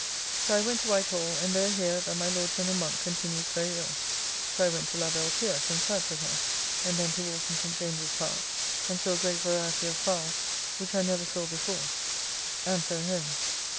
So I went to White Hall, and there hear that my Lord General Monk continues very ill: so I went to la belle Pierce and sat with her; and then to walk in St. James's Park, and saw great variety of fowl which I never saw before and so home.